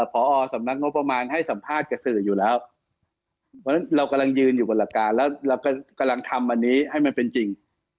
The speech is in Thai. พอสำนักงบประมาณให้สัมภาษณ์กับสื่ออยู่แล้วเพราะฉะนั้นเรากำลังยืนอยู่บนหลักการแล้วเรากำลังทำอันนี้ให้มันเป็นจริง